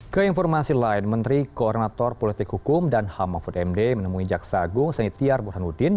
keinformasi lain menteri koordinator politik hukum dan ham mahfud md menemui jaksa agung senitiar burhanuddin